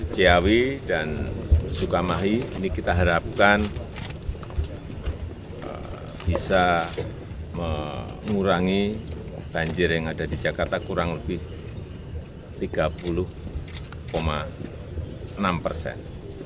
ciawi dan sukamahi ini kita harapkan bisa mengurangi banjir yang ada di jakarta kurang lebih tiga puluh enam persen